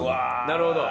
なるほど。